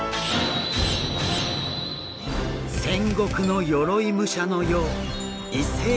戦国の鎧武者のよう。